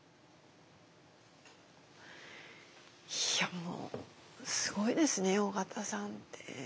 いやもうすごいですね緒方さんって。